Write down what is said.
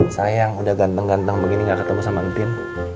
sayang udah ganteng ganteng begini gak ketemu sama entin